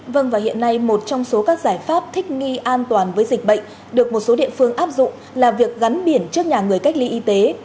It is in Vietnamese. vâng và hiện nay một trong số các giải pháp thích nghi an toàn với dịch bệnh được một số địa phương áp dụng là việc gắn biển trước nhà người cách ly y tế